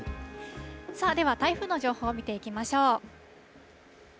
では、台風の情報を見ていきましょう。